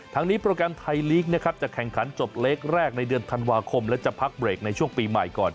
ทั้งนี้โปรแกรมไทยลีกนะครับจะแข่งขันจบเล็กแรกในเดือนธันวาคมและจะพักเบรกในช่วงปีใหม่ก่อน